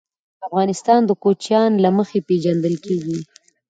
افغانستان د کوچیان له مخې پېژندل کېږي.